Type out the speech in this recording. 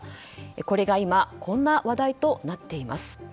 これが今こんな話題となっています。